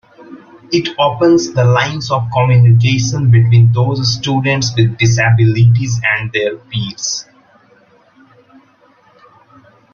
It opens the lines of communication between those students with disabilities and their peers.